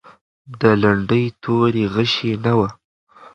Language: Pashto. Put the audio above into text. د لنډۍ توري غشی نه و.